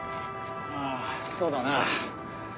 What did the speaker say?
ああそうだな。